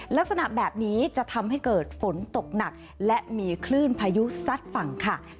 ลักษณะแบบนี้จะทำให้เกิดฝนตกหนักและมีคลื่นพายุซัดฝั่งค่ะ